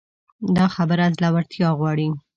دا خبره زړورتيا غواړي.